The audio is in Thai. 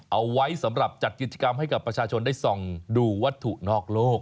เอาไว้สำหรับจัดกิจกรรมให้กับประชาชนได้ส่องดูวัตถุนอกโลก